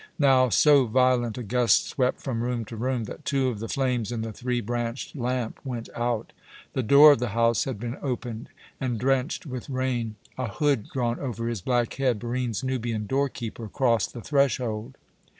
Now so violent a gust swept from room to room that two of the flames in the three branched lamp went out. The door of the house had been opened, and drenched with rain, a hood drawn over his black head, Barine's Nubian doorkeeper crossed the threshold.